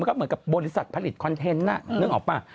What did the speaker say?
ก็เหมือนกับบริษัทผลิตคอนเทนต์นึกออกป่ะ